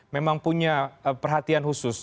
memang punya perhatian khusus